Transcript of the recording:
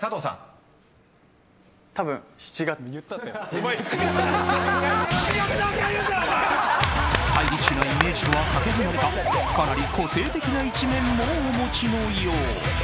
スタイリッシュなイメージとはかけ離れたかなり個性的な一面もお持ちのよう。